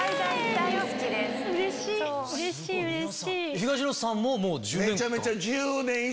東野さんももう１０年間？